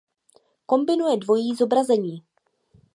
Kombinuje dvojí zobrazení.